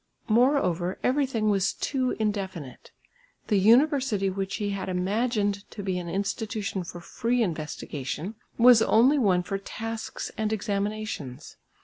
Moreover everything was too indefinite. The university which he had imagined to be an institution for free investigation, was only one for tasks and examinations.